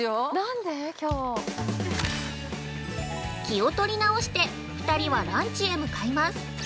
◆気を取り直して２人はランチへ向かいます。